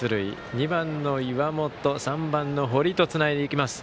２番の岩本３番の堀とつないでいきます。